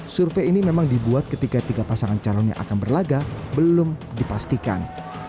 survei ini memang dibuat ketika tiga pasangan calon yang akan berlaga belum dipastikan